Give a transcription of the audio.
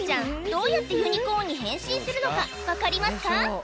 どうやってユニコーンに変身するのかわかりますか？